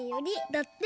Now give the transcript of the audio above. だって。